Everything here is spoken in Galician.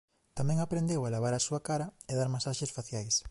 Tamén aprendeu a lavar a súa cara e dar masaxes faciais.